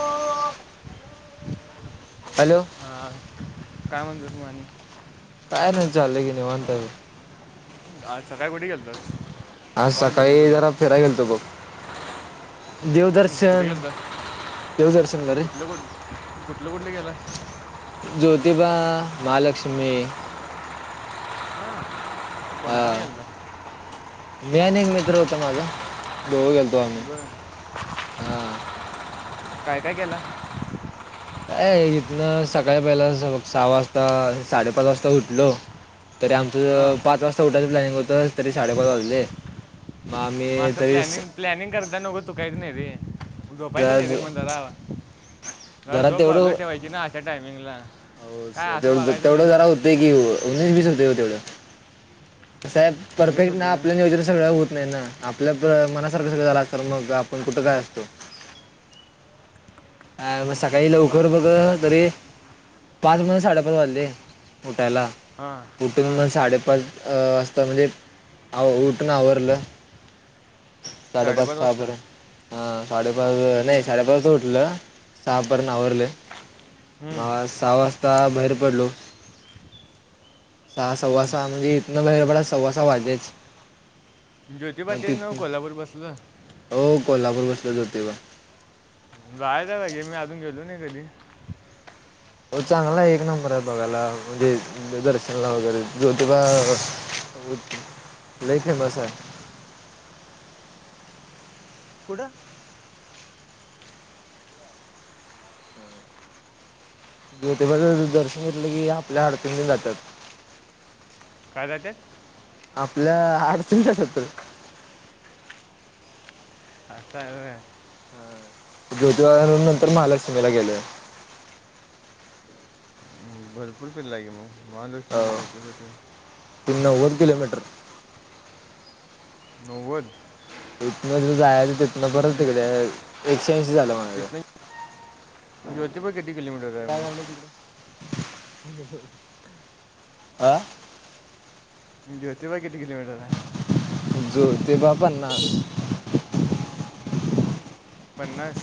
ओ.. हा काय म्हणतो तू मग आणि... काय नाही चाललय की निवांत आहे बघ.. आज सकाळी कुठे गेलतास.. आज कॉल केलतो सकाळी तुला जरा फिराय गेलतो बघ.. कुठे देवदर्शन... गेलतास देवदर्शनला रे कुठलं कुठ कुठलं कुठलं केलास... ज्योतिबा महालक्ष्मी... हां कोण हा कोण गेलता. मी आणि एक मित्र होता माझा..... दोघं गेलतो.. आम्ही बरं हा काय काय केलं. काय इथून सकाळ पहिला सहा वाजता साडेपाच वाजता उठलो... तरी हां आमचं पाच वाजता उठायचं प्लॅनिंग होतं तरी साडेपाच वाजले. मग आम्ही असं तरी प्लॅनिंग प्लॅनिंग करताना उगाच चुकायचं नाही रे... झोपायच नाही रे मग जरा.. अ जरा झोप बाजूला ठेवायची ना अशा टायमिंगला.. हो स काय असं तेव वागायचं नाही तेवढं ना जरा होतेच की नेहमी होते हो तेवढं... साहेब मी परफेक्ट ना सुद्धा आपल्याला नियोजन योज सगळं होत. नाही ना आपल्या मनासारखं सगळ झालं तर मग आपण कुठं काय असतो. अ मग सकाळी हो बा लवकर बघ तरी पाच म्हणत साडेपाच वाजले. त्याला हां कुठून हां मग साडेपाच... तेवढ्यात म्हणजे आहो उठूण आवरलं... साडेपाच सपर ह साडेपाच नाही हम्म. साडेपाचच उठलं.. सहा पर्यंत आवरले हम्म. मग सहा वाजता बाहेर पडलो. सहा सव्वा सहा हम्म. म्हणजे इतन वैर बड सव्वा सहा वाजेच... मग ज्योतिबाातच नाव तिथनं कोल्हापूर बसलं.. हो कोल्हापूर बसलो जोतिबा... बाय द बाहिजे मी अजून गेलो ना कधी.. हो चांगला आहे एक नंबर आहे बघायला म्हणजे दर्शनला वगैरे जो तेव्हा... ब नाही फेमस आहे... कुडं.. ज ते दर्शन घेतलं की आपल्या आरती जातात.. काय जात्यात... आपल्या आडतींच्यात... असतां... ह ज्योतिबा वरून नंतर हम्म. महालक्ष्मीला गेले.. [unintelligible] भरपूर पिल्ला गे मग महालक्ष्मी जतेठे... तीन नव्वद किलोमीटर... नव्वद... इथन जायच तिथनं परत हम्म. तिकडे एकशे ऐंशी झालं माझं.. इथनं ज्योतिबा किती किोमीटर आहे काय म... झालं तिकडे? आ... ज्योतिबा किती किलोमीटर आहे... ज्योतिबा पन्नास... पन्नास..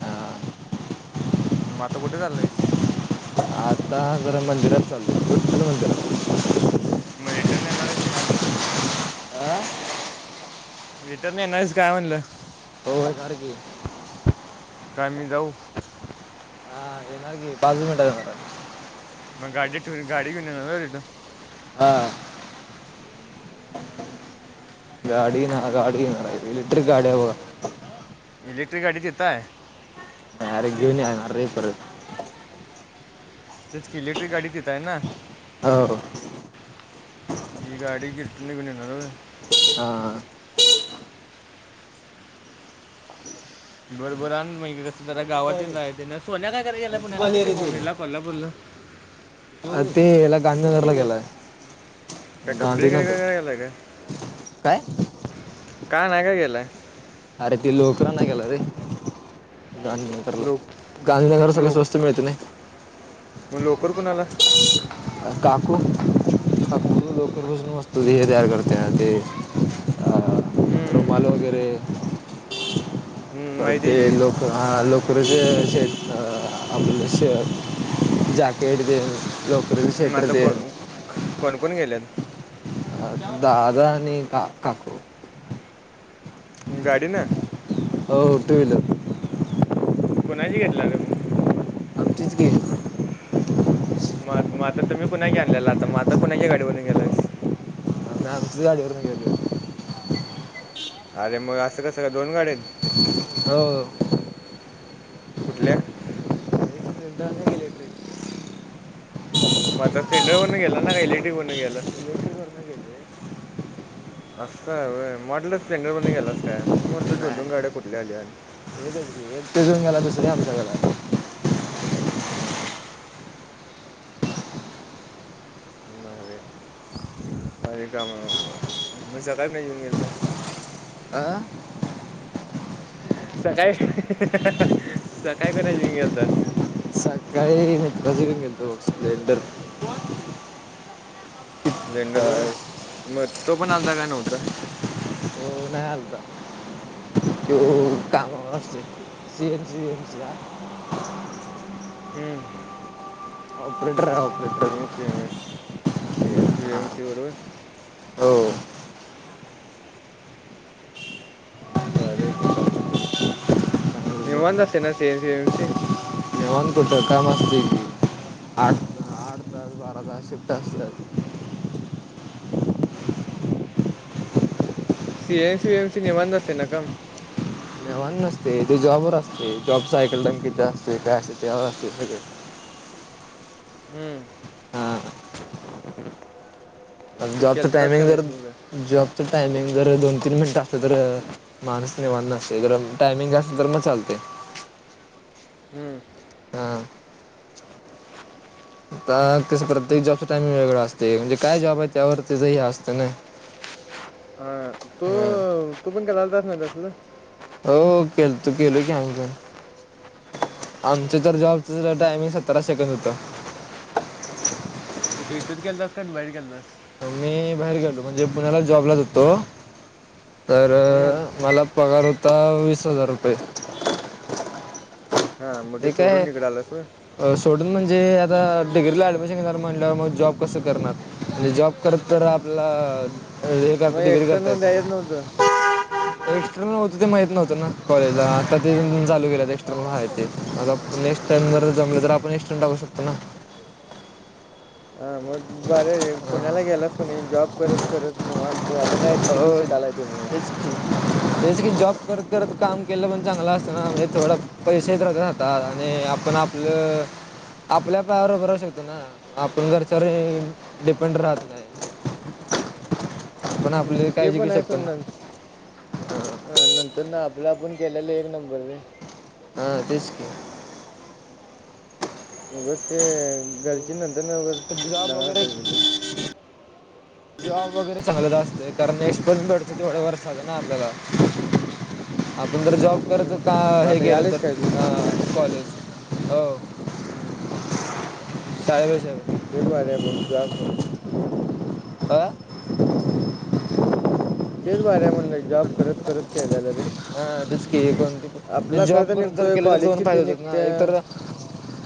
हा मता कुठे चाललंयस आता जरां मंदिरात चालतं मंदिरात मटन येना निसका आं वटरन एस काय म्हणलं हो सर क. कामी जाऊ हा ये ना क पाच मिनिट सार. मग गाडी ठ गाडी घऊेतो. हा गाडी ना गाड ना लट्रिक गाडयाववा. इलेक्ट्रिक गाडी देता आहे. र ग्यऊनपर त्याच क इलेक्ट्रिक गाडी देतय ना हो ज गाडी घत ग नि हा बरोबर आणि म्हे कसं जरा गावात रा ते ना सोन्या काय करायला पुण्याला वला कोल्हापूरला अ ते याला गांधीनगरला गेला. का कपडी खे कर घ गला का. काय का नाही का गेलाय अरे त लोकर ना केेला रे. गांधीनगरला लोक गांधीनगर सगळ स्वस्त लोक मिळते नाही मग लोकर कुणाला काकू काकू लोकर भषण वस्तू दे हे तयार करते ते अ हम्म हम्म, तर माहिती ते आहे लोक हा लोक श आपला श जॅकेट दे की मग लोकरचे िएटर आता को देन. कोण कोण गेल्यात दादा आणि का काक गाडी ना हो टू वलर गुणाचीी घेतलं त मग आम तितके मग मग आता तुम्ही कुणाची आणलेला आता मग आता कुणाची गाडीवररून गेलय गडीवर न काले. अरे मग असं कसं काय दोन गाड्या आहेत हो कुठल्या रडालेटे मगता स्लेिंडर बनून गेला ना का एलईडी बनून गेलं इलेक्ट्रिक वरनं गेले असं आहे म्हटलं स््लेंडर मध्ये गेलाच काय मी म्हटलं दोन दोन गाड्या कुठल्या आल्या. च तेिजून गेला दुसर आमच्या गला. हम्म. अरे अरे का मजा का नाही येऊन गेलस आ सकाळी सकाळी कोणा जिन गेल तस रज घ घ य तो इदर झंडर म तो पण आलता का नव्हता. तो नाही खू काम अस. हम्म ऑपरेटर ऑपरेटर ी एनस एम ए सी एन्स वी हा एम सी बरोबर. हो. बरी क काबतर निववांदसन सेनस सेमस वन कुठ काम असते आठठ तास बारा तास शिफ्ट असतात. सीएमसी वएमसी नि बांध असते ना का. ण नसते ते जॉब ववर असते जॉब सायकल टा किथ असते काॅ अस त्यावर असते सगळे. [inaudible] हम्म. तू जॉबचं केलतास का टायमिंग जर नाहीस मग जॉबचं टायमिंग जर दोन तीन मिनिटं असत तर माणूस व नसते जर टायमिंग असल तर मग चालते. हम्म. हा. आ तस प्रत्येक जॉबचा टाइमिंग वेगळा असत म्हणजे काय जॉब आहे त्यावर तचंही असतं ना. [unintelligible] हा तू हम तू पण काय लालत नाही तसलं. हो केल तू केल कीमजून आमचं ज जॉबच टायमिंग सतरा सेकंड होत. कुठे इथंच गेलस का बाहेर गेलनास. मी बाहेर गेलो म्हणजे पुण्याला जॉबला जतो. तर मला पगार होता वीस हजार रुपये. हां मग ते सोडून काय निघालास होय. सोडून म्हणजे जे आता डिग्रीला ॲडमिशन घेणार म्हणलंवर मग जॉब कसं करणार म्हणजे जॉब करत तर आपला अ का मग डिग्री करता एकटं द्यायच नव्हतं येत. एक्स्टर्नल होतं ते माहित नव्हतं ना कॉलेजला आता ते चालू केलं एक्स्टर्नल ह ते माझा नेक्स्ट टाइम जर जमले तर आपण एक्स्टं टाकू शकतो ना. हां मग बरंये पुण्याला गेलात तुम्ही, जॉब करत करत निवांत तर आता काय ते किती शिकालाय तुम्ही? [inaudible] जसकी जॉब करत करत काम केलं पण चांगलं असतं ना, म्हणजे थोडा पैसे पण राहतात आणि आपण बा आपलं. आपल्या पायावरबर राहू शकतो ना आपण घरच्यावर डिपेंड राहत नाही. बणा. ह्, ते पण आहे सोडन नंत तर ना आपलं आपण केलेलले एक नंबर रे. ह तसकी उगच ते, घरची नंतर ना उगस तर जॉब जाना वगैरे करता त जॉब वगैरे चांगलच असते कारण [unintelligible] आपण जर जॉब करायचं का हम्म मग हे आता गेलं तर यालेस काय तू अ कॉलेज? हो हम्म, चायबेचायबे. ते बरं बघ जॉब करून ह? तेच बार ए म्हणले जॉब करत करत केलेले रे. हाचकी कोण आपला जॉब खर्च करत जर निघतोय केले तर कॉलेजची दोन फी फायदे होतात ना एक निघते तर-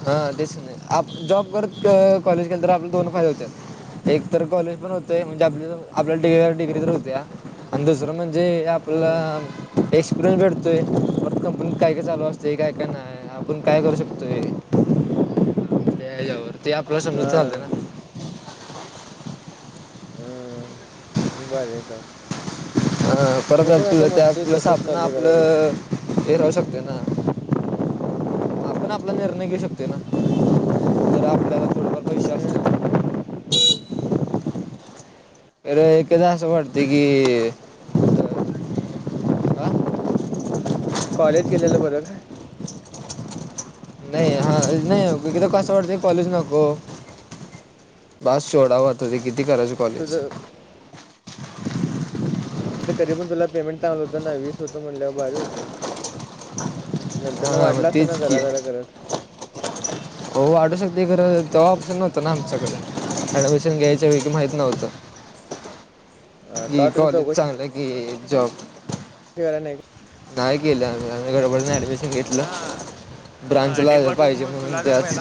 हा तेच नाही जॉब करत कॉलेज केलं तर आपले दोन फायदे होत. एक तर कॉलेज पण होतय म्हणजे आप आपल्या डग्री तर होते आणि दुसरं म्हणजे जे आपला हं, एक्सपिरियन्स भेटतोय परत कंपनीत काय काय चालू असते काय काय नाही. आपण काय करू शकतोय. त्या हच्यावर ते आपलं समजत चालत हां, ना. हं. भारी काम ह परत मी पण आता जर त्या म्हणतोय दिवस तसंच आपण चालू करायचं. आपलं. ते राहू शकतोय ना, आपण आपला निर्णय घेऊ शकतोय ना. जर आपल्याला थोडेफार पैसे असतील हम्म. तर [inaudible] तर एकदा असं वाटते की अ कॉलेज गेलेलं बरं का? नाही हा, नाही एक एकदा [unintelligible] कसं वाटतंय कॉलेज नको- बस सोडाव त ते किती करायचं कॉलेज. तुझं तुझं कधी पण तुला पेमेंट चांगलं होतं ना वीस होत म्हणल्यावर भारी होत. नंतर न हा वाढला मग असन तेच की जराजरा करत. हो वाढू शकतोय खरं तेव्हा ऑप्शन नवतो ना आमच्याकड. ऍडमिशन घ्यायच्या [unintelligible] की माहित नव्हतं. अं, कि तेव्हा तुम्ही कॉलेज चौकशी चांगलं कि जॉब? करा नाही का? नाही केलं गडबडीने ऍडमिशन घेतलं. हां ब्रांच हां, ला डी बाटू पाहिजे मग म्हणून तुला तर त्याच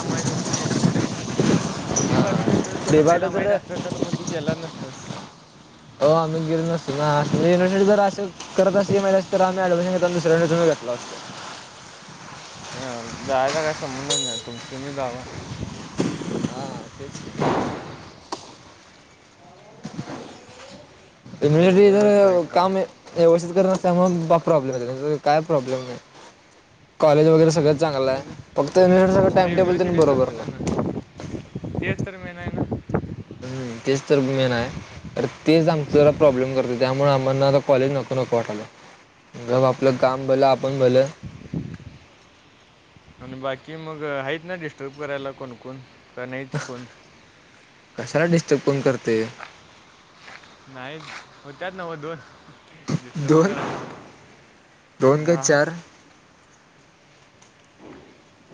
ते वाटतं हुतं तुला पहिला माहीत असत तर मग तू गेला नसतास. हो, आम्ही गेलो नसतो ना [unintelligible] तर असे करत असते मॅनेज तर आम्ही ऍडमिशन घेत दुसऱ्या घेतल असत. ह, जायचा काही संबंधच नाही, तुमच तुम्ही जावा. हा तेच अवघडच आहे इमिजिटलीतर काम व्यवस्थित कर त्यामुळे मग प्रॉब्लेम, [unintelligible] काय प्रॉब्लेम नाही. कॉलेज वगैरे सगळं चांगलं आहे, का फक्त [unintelligible] सगळं टाइम टेबल बरोबर नाय. ते तर. मेन आहे ना हम्म, तेच तर मेन आहे. अरे तेच आमच प्रॉब्लेम करते त्यामुळे आम्हाला आता कॉलेज नको नको वाटालंय. गप आपलं काम भलं आपण भलं. आणि बाकी मग हाइत ना डिस्टर्ब करायला कोणकोण? का नाहीत कोण? कशाला डिस्टर्ब कोण करतंय? नाहीत होत्यात नव्ह दोन? जित [unintelligible] दोन दोन आ? काय चार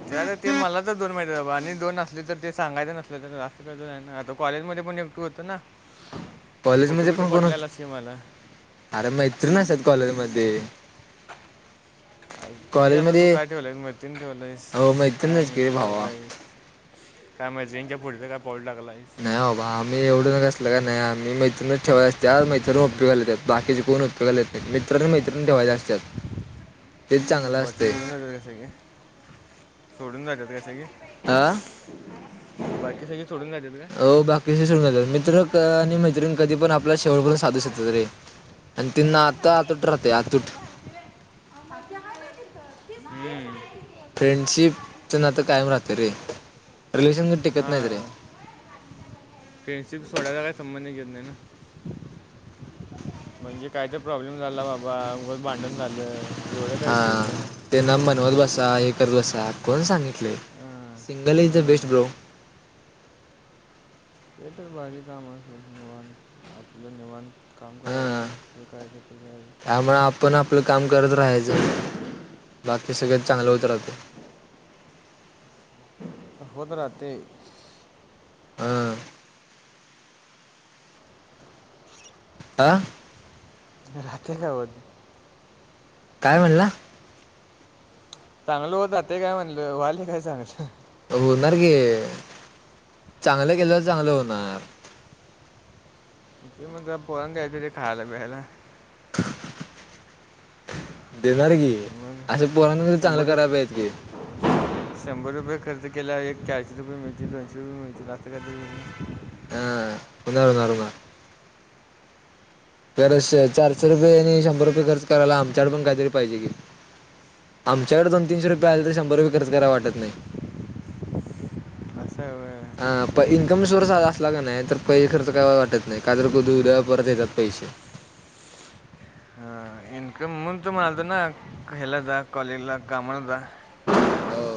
च्यायाला ते मला तर दोन माहितीय बा आणि दोन असली तर ते सांगायचं नसल तर अस कायतर हाय ना? आता कॉलेजमध्ये पण एकट होती ना? फोटो बिटो पाठवल्यालास की मला. आर मैत्रीण असत्यात कॉलेजमध्ये. ते आता तू कॉलेजमध्ये काय ठेवलाइस मैत्रिण ठेवलाइस, हो काय मैत्रीणच की मित्र भावा. ठेवलाइस? काय मैत्रीणच्या पुढचं काय? पाऊल टाकला नाही आहेस आबा आम्ही एवढं असल काय नाही. नाही आम्ही मैत्रिणच ठेवायच असत्यात. मैत्रीण उपयोगाला येतात. बाकीचे कोण उपयोगाला येत नाहीत मित्र आणि मैत्रीण ठेवायची असत्यात. [inaudible] चांगलं बाकी असतंय सोडून [unintelligible] सगळे? सोडून जातात काय सगळी? आ बाकी सगळी हो बाकीचे सोडून जातात मित्र अ आणि मैत्रिण कधी पण आपल शेवटपर्यंत [unintelligible] रे आणि ते नात आतूट राहते आतूट. हम्म. फ्रेंडशिप च नातं कायम राहतय रे. रिलेशनशिप टिकत नाहीत रे. हां फ्रेंडशिप सोडायचा काय संबंधच येत नाही ना. म्हणजे काय तर प्रॉब्लेम झाला बाबा उगच भांडण झालं. एवढं काय विषय येत हां नाही ना त्यांना आणि मनवत बसा, हे करत बसा, कोण सांगत बसलय हां सिंगल इज द बेस्ट हां ब्रो. ते तर भारी काम अस [unintelligible] आपलं निवांत काम करायचं, हे करायच. त्यामुळ आपण आपलं काम करत राहायचं. बाकी सगळ चांगल होत राहतय. होत राहतय. अ...... आ? राहतय काय होत? काय म्हणला? चांगलं होत राहतय काय म्हणलं? व्हालय काय चांगलं? होणार की, चांगलं केल्यावर चांगलं होणार. ते मग तुला पोरण द्यायच ते खायला बियला. [inaudible] देणार की मग असं पोरांना चांगलं शंभर करायला पाहिजे की टक्के शंभर रुपये खर्च केल्यावर एक चारशे रुपये मिळतील, दोनशे रुपये मिळतील, असं कायतरी हां बघावं लागणार. खरं च चारशे रुपये आणि शंभर रुपये खर्च करायला आमच्याकड पण कायतरी पाहिजे कि, आमच्याकडे दोन तीनशे रुपये आले तर शंभर रुपये खर्च कराय वाटत नाही. असं आहे होय. पण इन्कम सोर्स असला की नाही तर पैशे खर्च काय वाटत नाही. का तर [unintelligible] उद्या परत येतात पैसे [inaudible] हां. परंतु माझं ना हेला जा, कॉलेजला, कामाला जा हो!